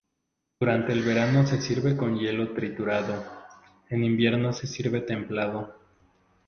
Durante el verano se sirve con hielo triturado; en invierno se sirve templado.